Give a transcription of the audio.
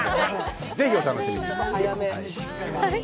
ぜひお楽しみに。